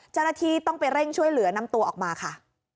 เจ้าหน้าที่ต้องไปเร่งช่วยเหลือนำตัวออกมาค่ะ